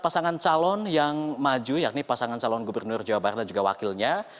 pasangan calon yang maju yakni pasangan calon gubernur jawa barat dan juga wakilnya